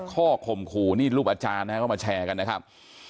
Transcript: ข่มขู่นี่รูปอาจารย์นะครับก็มาแชร์กันนะครับ